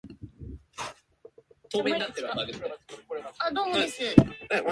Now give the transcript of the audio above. お風呂に入る